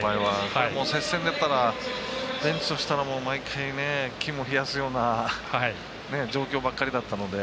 もう接戦だったらベンチとしたら毎回ね、肝を冷やすような状況ばっかりだったので。